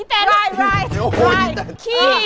เราคลี